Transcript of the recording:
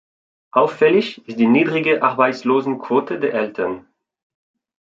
Auffällig ist die niedrige Arbeitslosenquote der Eltern.